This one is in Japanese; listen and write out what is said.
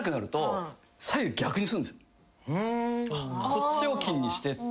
こっちを金にして。